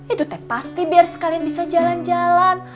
itu teh pasti biar sekalian bisa jalan jalan